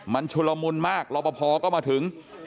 มันชุลมุนมากรอปภก็มาถึง